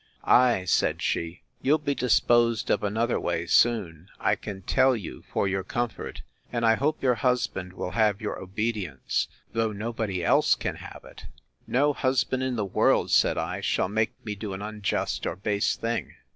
—Ay, said she, you'll be disposed of another way soon, I can tell you for your comfort: and I hope your husband will have your obedience, though nobody else can have it. No husband in the world, said I, shall make me do an unjust or base thing.